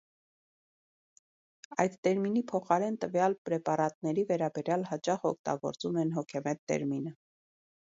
Այդ տերմինի փոխարեն տվյալ պրեպարատների վերաբերյալ հաճախ օգտագործում են «հոգեմետ» տերմինը։